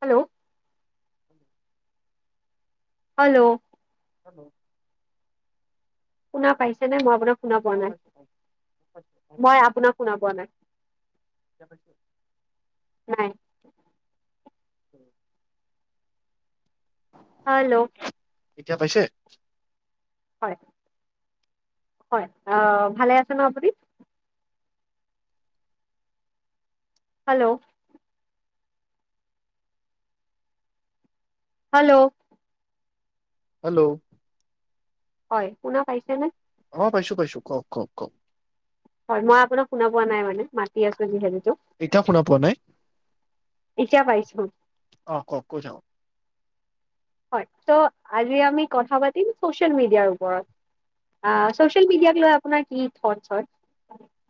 Hello. Hello. Hello. শুনা পাইছে নে মই আপোনাক শুনা পোৱা অ নাই। পাইছো পাইছো পাইছো পাইছো। মই আপোনাক শুনা পোৱা নাই এতিয়া পাইছে নাই। উম। হেল্ল' এতিয়া পাইছে? হয়। হয়। অহ, ভালে আছে ন আপুনি? Hello hello. হেল্ল' হয় শুনা পাইছে নে? অ পাইছো-পাইছো, কওক, কওক, কওক। হয় মই আপোনাক শুনা পোৱা নাই মানে মাতি আছো যিহেতু। এতিয়াও শুনা পোৱা নাই? এতিয়া পাইছো অহ কওক। কৈ থাকক। হয় ছো আজি আমি কথা পাতিম চছিয়েল মিডিয়াৰ ওপৰত। চছিয়েল মিডিয়াৰ ওপৰত আপোনাৰ কি থট্ছ হয়।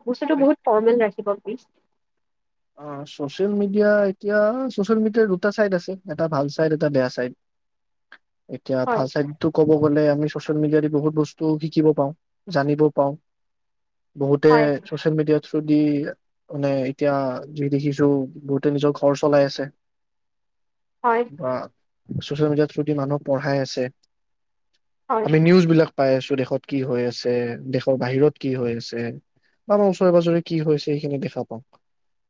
বস্তুটো বহুত ফৰ্মেল ৰাখিব। নি অ চছেল মিদিয়া, এতিয়া চছেল মিদিয়াত দুটা চাইদ আছে। এটা ভাল চাইড এটা বেয়া চাইড। এতিয়া হয় ভাল চাইড তো ক'ব। বোলে আমি চচিয়েল মিডিয়াত বহুত বস্তু শিকিব পাওঁ, জানিব পাওঁ, বহুতে হয় ছচিয়েল মিডিয়াত ছদি মানে এতিয়া যি দেখিছো বহুতে নিজৰ ঘৰ চলাই আছে৷ হয় বা ছ'চিয়েল মিডিয়া থ্ৰুদি মানুহক পঢ়াই আছে, হয় আমি নিউজ বিলাক পাই আছো দেশত কি হৈ আছে, দেশৰ বাহিৰত কি হৈ আছে, বা আমাৰ ওচৰে পাজৰে কি হৈছে সেইখিনি দেখা পাও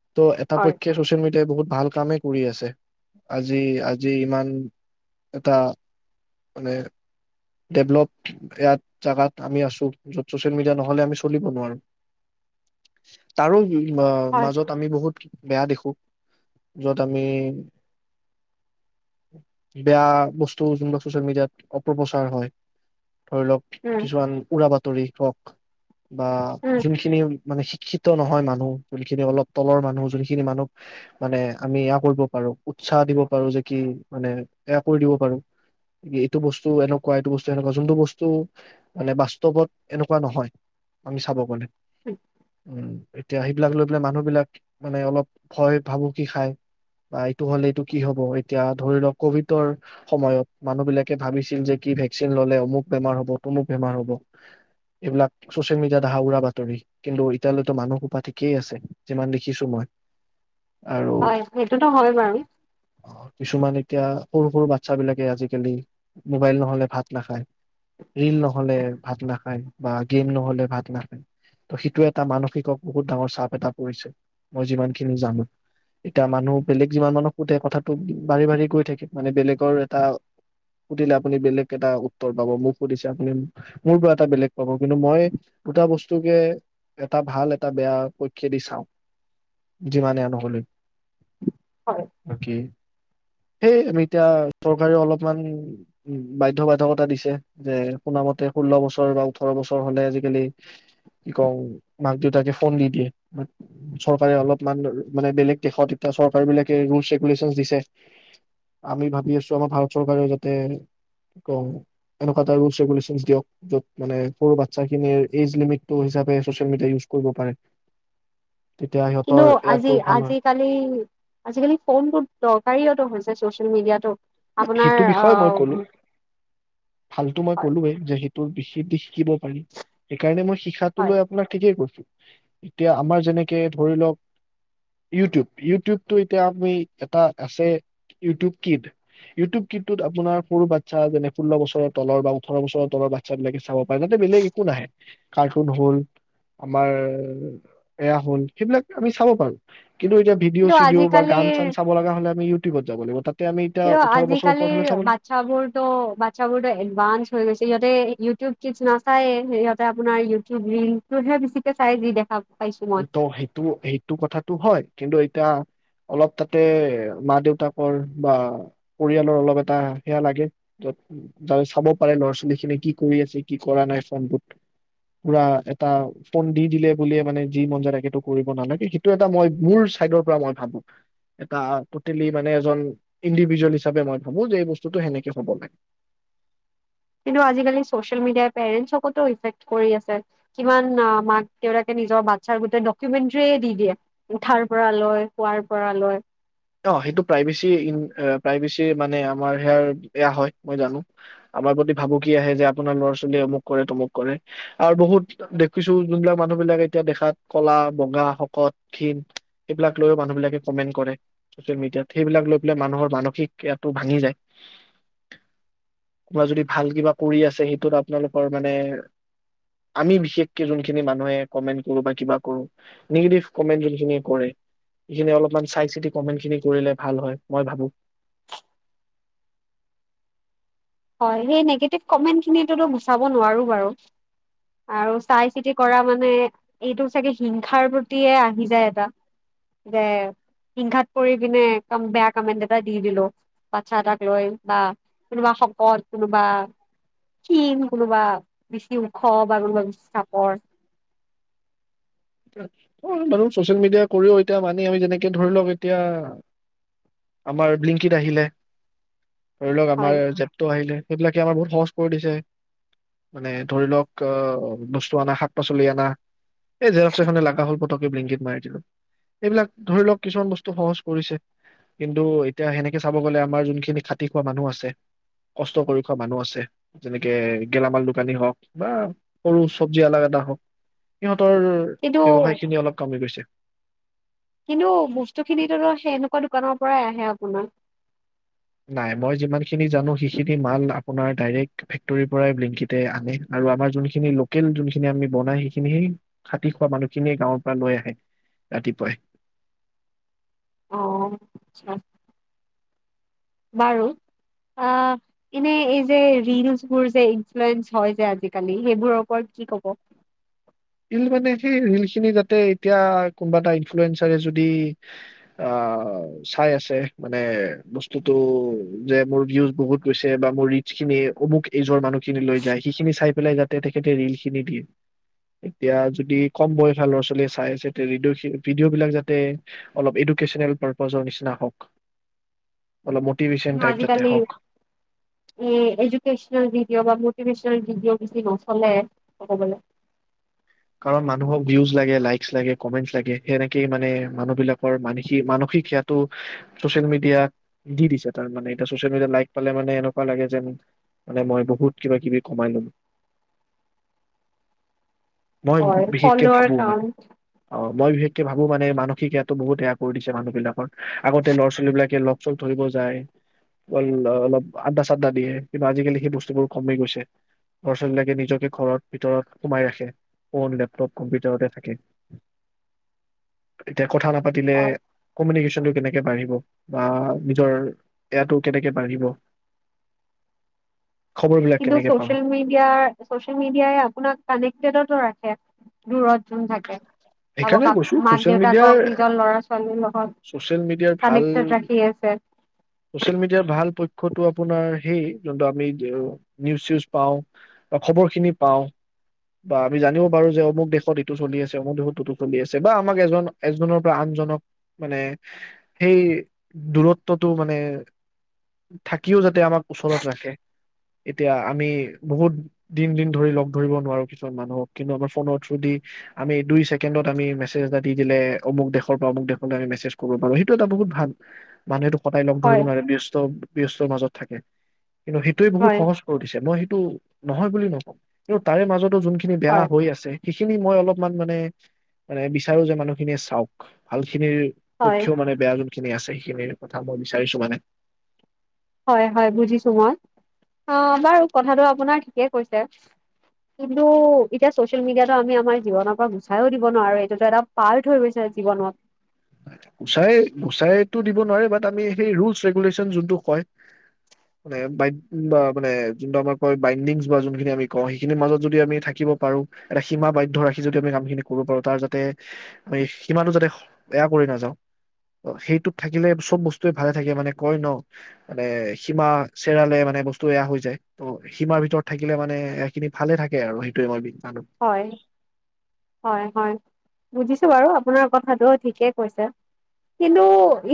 ৷ ত হয় এটাপক্ষে ছচিয়েল মিডিয়াই বহুত ভাল কামেই কৰি আছে আজি - আজি ইমান এটা মানে ডেভলপ ইয়াত জাগাত আমি আছো যত চচিয়েল মিডিয়া নহলে আমি চলিব নোৱাৰো তাৰো বা হয় মাজত বেয়া দেখো যত আমি বেয়া বস্তু যোনবো চচিয়েল মিডিয়াত অপপ্ৰচাৰ হয়, ধৰি লওক উম কিছুমান উৰা বাত তাৰিখত [unintelligible] বা উম যোনখিনি মানে ক্ষিত নহয় মানুহ যোনখিনি অলপ তলৰ মানুহ যোনখিনি মানুহক, মানে আমি এয়া কৰিব বাৰু উৎসাহ দিব পাৰো যে কি মানে এয়া কৰি দিব পাৰো এইটো বস্তু এনেকুৱা এইটো বস্তু এনেকুৱা যোনটো বস্তু মানে বাস্তৱত এনেকুৱা নহয় আমি চাব গ'লে, উম এতিয়া সেইবিলাক লৈ পেলাই মানুহবিলাক মানে অলপ ভয় ভাবুকি খাই বা এইটো হলে এইটো কি হব এতিয়া ধৰি লওক কভিডৰ সময়ত মানুহ বিলাকে ভাবিছিল যে কি ভেকচিন ললে অমুক বেমাৰ হব তমুক বেমাৰ হব এইবিলাক চচিয়েল মিডিয়াত আহা উৰা বাতৰি কিন্তু ইতিয়ালৈতো মানুহ সোপা ঠিকেই আছে৷ যিমান দেখিছো মই আৰু হয়, এইটোটো হয় বাৰু! কিছুমান এতিয়া সৰু সৰু বাচ্ছাবিলাকে আজিকালি, মোবাইল নহ'লে ভাত নাখায়, ৰীল নহ'লে ভাত নাখায় বা গেম নহ'লে ভাত নাখায়। ত' সেইটোৱে এটা মানসিকক বহুত ডাঙৰ চাপ এটা কৰিছে, মই যিমান খিনি জানো এতিয়া মানুহ বেলেগ যিমান মানুহক সুধে কথাটো বাঢ়ি বাঢ়ি গৈ থাকিব মানে বেলেগৰ এটা সুধিলে আপুনি বেলেগ এটা উত্তৰ পাব মোক সুধিছে আপুনি মোৰ পৰা এটা বেলেগ পাব কিন্তু মই দুটা বস্তুকে এটা ভাল এটা বেয়া কৈ খেদি চাওঁ যিমানে নহলে হয় অকে সেই আমি এতিয়া চৰকাৰেও অলপমান বাধ্য বাধকতা দিছে যে শুনা মতে, ষোল্ল বছৰ বা ওঠৰ বছৰ হলে আজিকালি কি কওঁ মাক দেউতাকে ফোন দি দিয়ে ৷ চৰকাৰে অলপমান মানে বেলেগ দেশত এতিয়া চৰকাৰবিলাকে ৰুলচ-ৰেগুলেশনচ দিছে। আমি ভাবি আছো আমাৰ ভাৰত চৰকাৰেও যাতে কি কওঁ, এনেকুৱা এটা ৰুলচ-ৰেগুলেচনচ দিয়ক, য'ত মানে সৰু বাচ্ছাখিনিৰ এইজ লিমিটটো হিচাপে চচিয়েল মিডিয়া ইউজ কৰিব পাৰে তেতিয়া কিন্তু সিহঁতৰ ইয়াতো ভাল হয় আজি-আজিকালি, আজিকালি ফোনটো দৰকাৰীয়োটো হৈছে। এ চচিয়েল মিডিয়াটো আপোনাৰ সেইটো বিষয়ে মই আহ কলো ভালতো মই হয় কলোৱে যে তৌ বিশেষ দি [unintelligible] শিকিব পাৰি। সেইকাৰণে মই শিখাটো হয় লৈ আপোনাক ঠিকেই কৈছো। এতিয়া আমাৰ যেনেকে ধৰি লওক ইউটিউব - ইউটিউব টো এতিয়া আপুনি এটা আছে ইউটিউব কিড, ইউটিউব কিডটোত আপোনাৰ সৰু বাচ্ছা যেনে ষোল্ল বছৰৰ তলৰ বা ওঠৰ বছৰৰ তলৰ বাচ্ছা বিলাকে চাব পাৰে তাতে বেলেগ একো নাহে কাৰ্টুন হল আমাৰ এয়া হল সেইবিলাক আমি চাব পাৰো৷ কিন্তু এতিয়া ভিডিঅ কিন্তু চিডিঅ বা গান আজিকালিৰ চান চাব লগা হ'লে আমি যাব লাগিব তাতে আমি এতিয়া কিন্তু ওঠৰ বছৰ ওপৰত হলে আজিকালিৰ চাব বাচ্ছা বোৰতো বাচ্ছা বোৰতো এডভান্স হৈ গৈছে সিহঁতে ইউটিউব কিন্তু নাচায়ে সিহঁতে আপোনাৰ ইউটিউব ৰিল টোহে বেছিকে চাই যি দেখা পাইছো মই কিন্তু সেইটো সেইটো কথাটো হয় কিন্তু এতিয়া অলপ তাতে মা দেউতাকৰ বা পৰিয়ালৰ অলপ এটা সেয়া লাগেত যায় চাব পাৰে ল'ৰা ছোৱালী খিনি কি কৰি আছে কি কৰা নাই ফোনটোত পুৰা এটা ফোন দি দিলে বুলিয়ে মানে যি মন যায় যি তাকেটো কৰিব নালাগে সেইটো এটা মই মোৰ চাইডৰ পৰা মই ভাবো এটা তোটেলি মানে এজন ইণ্ডিভিজুৱেল হিচাপে মই ভাবো যে এই বস্তুটো সেনেকে হব লাগে কিন্তু আজিকালি চচিয়েল মিডিয়াই পেৰেন্টছকো ইফেক্ট কৰি আছে, কিমান মাক-দেউতাকে নিজৰ বাচ্ছাৰ গোটই ডকুমেণ্টৰীয়ে দি দিয়ে, উঠাৰ পৰা‌ লৈ শুৱাৰ পৰা লৈ অ সেইটো প্ৰাইভেচী এ প্ৰাইভেচী মানে আমাৰ সেইয়া হয় মই জানো আমাৰ প্ৰতি ভাবুকি আহে যে আপোনাৰ লৰা ছোৱালীয়ে অমুক কৰে তমুক কৰে আৰু বহুত দেখিছোঁ যোনবিলাক মানুহ বিলাক এতিয়া দেখাত কলা বগা শকত ক্ষীণ সেইবিলাক লৈ মানুহ বিলাকে কমেণ্ট কৰে। ছ'চিয়েল মিডিয়াত সেইবিলাক লৈ পেলাই মানুহৰ মানসিক ক্ৰিয়াটো ভাঙি যায়। কোনোবা যদি ভাল কিবা কৰি আছে সেইটোত আপোনালোকৰ মানে, আমি বিশেষকে যোনখিনি মানুহে কমেণ্ট কৰো বা কিবা কৰো নিগেটিভ কমেণ্ট যোনখিনিয়ে কৰে সেইখিনি অলপমান চাই -চিতি কমেন্টখিনি কৰিলে ভাল হয় মই ভাবো! হয় সেই নিগেটিভ কমেণ্ট খিনিতো গুচাব নোৱাৰো বাৰু আৰু চাই চিতি কৰা মানে এইটো চাগে হিংসাৰ প্ৰতিয়ে আহি যায় এটা যে হিংসাত পৰি পিনে বেয়া কমেন্ট এটা দি দিলো বাচ্ছা এটাক লৈ বা কোনোবা কত কোনোবা, ক্ষীণ কোনোবা! বেছি ওখ বা কোনোবা বেছি চাপৰ। অ' মানুহ চচিয়েল মিডিয়া কৰিও এতিয়া মানে আমি যেনেকে ধৰি লওক এতিয়া, আমাৰ ব্লিংকিত আহিলে। ধৰি লওক আমাৰ হয় জেপটো আহিলে সেইবিলাকে আমাৰ বহুত সহজ কৰি দিছে মানে ধৰি লওক বস্তু আনা শাক পাচলি আনা এই যে ছয় ঘণ্টা লগা হ'ল পতককে মাৰি দিলো, এইবিলাক ধৰি লওক কিছুমান বস্তু সহজ কৰিছে। কিন্তু এতিয়া সেনেকে চাব গ'লে আমাৰ যোনখিনি খাটি খোৱা মানুহ আছে, কষ্ট কৰি খোৱা মানুহ আছে, যেনেকে গেলামাল দোকানী হওক বা সৰু চবজিআলা এটা হওক সিহঁতৰ কিন্তু ব্যৱসায় খিনি অলপ কমি গৈছে কিন্তু বস্তু খিনিটো সেই এনেকুৱা দোকানৰ পৰাই আহে আপোনাৰ নাই মই যিমান খিনি জানো সিখিনি মাল ডাইৰেক্ট ফেক্টৰীৰ পৰাই আনে বিলিংকেতে আনে আৰু আমাৰ লোকেল যি খিনি বনায় খাটি খোৱা মানুহ খিনিয়ে গাৱঁৰ পৰাই লৈ আহে ৰাতিপুৱাই। অ' আচ্ছা। বাৰু এনে এই যে ৰিলচবোৰ যে ইনফ্লয়েঞ্চ হয় যে আজিকালি সেইবোৰৰ ওপৰত কি ক'ব? মানে সেই ৰিল খিনি যাতে এতিয়া কোনোবা এটা ইনফ্লুৱেঞ্চাৰে যদি চাই আছে মানে বস্তুটো যে মোৰ ভিউজ বহুত গৈছে বা মোৰ ৰিলচখিনি অমুক এইজৰ নিজৰ মানুহখিন লৈ যায় সেইখিনি চাই পেলায় তেখেতে ৰীল খিনি দিয়ে। এতিয়া যদি কম বয়সৰ ল'ৰা ছোৱালীয়ে চাই আছে তেতিয়া' ভিডিঅ' বিলাক যাতে অলপ এডুকেচনেল পাৰপাজৰ নিচিনা হওঁক কিন্তু আজিকালি এই এডুকেশ্বনেল ভিডিঅ' বা এডুকেশ্বন ভিডিঅ' বেছি নচলে কব গ'লে কাৰণ মানুহক ভিউজ লাগে, লাইকচ লাগে, কমেন্টচ লাগে সেনেকেই মানে মানুহবিলাকৰ মানসিক-মানসিক সেয়াটো চচিয়েল মিডিয়া দি দিছে তাৰমানে, এতিয়া চচিয়েল মিডিয়াত লাইক পালে মানে এনেকুৱা লাগে যে মানে মই বহুত কিবা মকিবি কমাই ল'লো। মই হয় বিশেষকে ফলোৱাৰ ভাবো মানে কাউন্ট অ মই ভাবো মানে মানসিক ইয়াতো বহুত এয়া কৰি দিছে মানুহ বিলাকৰ আগতে ল'ৰা ছোৱালী বিলাকে লগ চগ ধৰিব যায় অ অলপ আদ্ডা চাদ্দা দিয়ে কা আজিকালি সেই বস্তুবোৰ কমি গৈছে লৰা ছোৱালী বিলাকে নিজকে ঘৰত ভিতৰত সোমাই ৰাখে। ফোন লেপটপ কম্পিউটাৰতে থাকে এতিয়া কথা নাপাতিলে হয় কমিউনি কেনেকে বাঢ়িব বা নিজৰ এয়াটো কেনেকে বাঢ়িব। খবৰ বিলাক কিন্তু কেনেকে পাব চচিয়েল মিডিয়াত ছ'চিয়েল মিডিয়াই আপোনাক কানেক্টেডত দূৰত থাকে সেইকাৰণে কৈছো মাক ছচিয়েল মিডিয়াৰ দেউতাকক নিজৰ লৰা ছোৱালীৰ লগত ছচিয়েল মিডিয়াৰ ভাল কানেক্টত ৰাখি আছে। ছচিয়েল মিডিয়াৰ ভাল আপোনাৰ সেই যোনটো আমি ভিউজ চিউজ পাওঁ বা খবৰ খিনি পাওঁ বা আমি জানিব পাৰোঁ যে অমুক দেশত। চলি আছে এজনতো চলি আছে বা আমাক এজন এজনৰ পৰা আনজনক মানে সেই দূৰত্বটো মানে থাকিও যাতে আমাক ওচৰত ৰাখে এতিয়া আমি বহুত দিন দিন ধৰি লগ ধৰিব নোৱাৰো কিছুমান মানুহক কিন্তু আমাৰ ফোনৰ থ্ৰুৰেদি আমি দুই ছেকেণ্ডত আমি মেছেজ এটা দি দিলে অমুক দেশৰ পৰা অমুক দেশলৈ আমি মেছেজ কৰিব পাৰো সেইটো এটা বহুত ভাল মানে এইটো। ককাই লগ ধৰিব হয় নোৱাৰে ব্যস্ত ব্যস্তৰ মাজত থাকে। কিন্তু সেইটোৱে বহুত হয় সহজ কৰি দিছে মই সেইটো নহয় বুলি নকওঁ কিন্তু তাৰে মাজত যোনখিনি বেয়া হয় হৈ আছে সেই খিনি মই অলপমান মানে-মানে বিচাৰো যে মানুহখিনিয়ে চাওক ভাল খিনিৰ হয় পক্ষ মানে বেয়া যোনখিনি আছে। কি এই কথাবোৰ বিচাৰিছো মানে, হয়-হয় বুজিছো মই অ বাৰু কথাটো আপোনাৰ ঠিকে কৈছে কিন্তু এতিয়া চচিয়েল মিডিয়াতটো আমি আমাৰ জীৱনৰ পৰা গুচাইও দিব নোৱাৰো এইটোতো এটা পাৰ্ট হৈ গৈছে জীৱনত। গুচাই - গুচাইতো দিব নোৱাৰে বাট আমি সেই ৰুলচ ৰেগুলেশচন যোনটোক কয় মানে বা মানে যোনটো আমাৰ কয় বাইণ্ডিং বা যোনখিনি আমি কওঁ সেইখিনিৰ মাজত যদি আমি থাকিব পাৰো এটা সীমা বাধ্য ৰাখি যদি আমি কামখিনি কৰিব পাৰো ।তাৰ যাতে সীমাটো যাতে, এয়া কৰি নাযাও সেইটোত থাকিলে চব বস্তুৱে ভালে থাকে মানে কয় ন মানে সীমা চেৰালে মানে বস্তু এয়া হৈ যায় ত সীমাৰ ভিতৰত থাকিলে মানে সেই খিনি ভালে থাকে আৰু সেইটোয়ে মই হয়-হয়-হয় বুজিছ বাৰু আপোনাৰ কথাটো ঠিকে কৈছে কিন্তু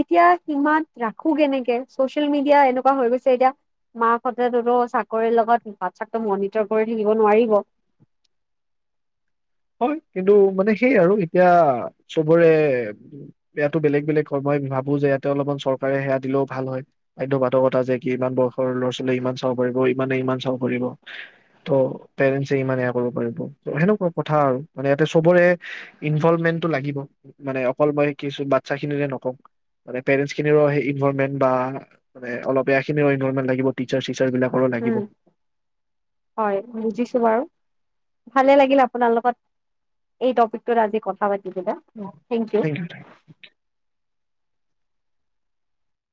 এতিয়া সীমাত ৰাখো কেনেকে? চচিয়েল মিডিয়া এনেকুৱা হৈ গৈছে এতিয়া মাক হতেতো চাকৰিৰ লগত বাচ্চাক মনিটৰ কৰি থাকিব নোৱাৰিব। হয়, কিন্তু মানে সেয়ে আৰু এতিয়া চবৰে এয়াতো বেলেগ-বেলেগ হয়, মই ভাবো যে ইয়াতে অলপমান চৰকাৰে সেয়া দিলেও ভাল হয় বাধ্য বাধকতা যে কি ইমান বয়সৰ ল'ৰা ছোৱালীয়ে ইমান চাব পাৰিব ইমানে ইমান চাব পাৰিব ত পেৰেঞ্চে ইমান এয়া কৰিব পাৰিব, সেনেকুৱা। কথা আৰু মানে ইতে চবৰে ইনভলমেন্টটো লাগিব মানে অকল মই কিচু বাচ্ছা খিনিৰে নকওঁ মানে পেৰেঞ্চখিনিৰো সেয়া ইনভলমেন্ট বা অলপ এয়া খিনিৰো ইনভলমেন্ট লাগিব টিচাৰ চিচাৰ বিলাকৰো লাগিব উম হয় বুজিছো বাৰু। ভালে লাগিল আপোনাৰ লগত এই টপিকটোত আজি কথা পাত কি কবা? Thank U.